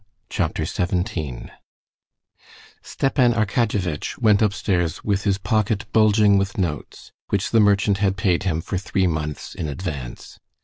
Chapter 17 Stepan Arkadyevitch went upstairs with his pocket bulging with notes, which the merchant had paid him for three months in advance.